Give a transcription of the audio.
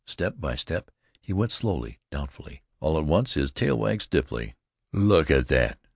Step by step he went slowly, doubtfully. All at once his tail wagged stiffly. "Look at that!"